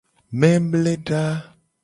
Memleda.